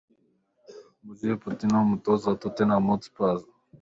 Mauricio Pochetino umutoza wa Tottenham Hotspur.